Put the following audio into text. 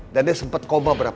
dan dia sempet koma berapa